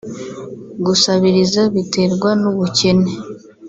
Gusabiriza biterwa n’ ubukene